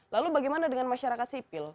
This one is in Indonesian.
lalu bagaimana dengan masyarakat sipil